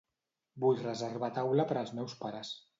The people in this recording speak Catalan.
Vull reservar taula per als meus pares.